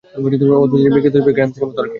অদ্ভুত জিনিস, বিকৃত ছবি ক্রাইম সিনের মত আর কি!